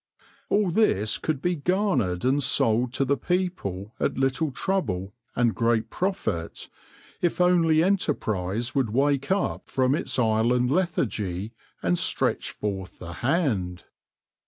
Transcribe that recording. All this could be garnered and sold to the people at little trouble and great profit, if only enterprise would wake up from its island lethargy and stretch forth the hand.